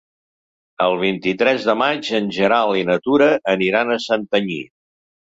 El vint-i-tres de maig en Gerai i na Tura aniran a Santanyí.